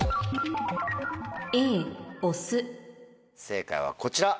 正解はこちら！